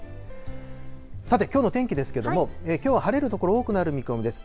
さてきょうの天気ですけれども、きょうは晴れる所、多くなる見込みです。